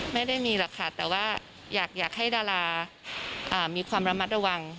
ไม่ได้มีหรอกค่ะแต่ว่าอยากให้ดารามีความระมัดระวัง